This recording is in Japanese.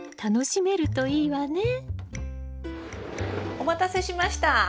お待たせしました！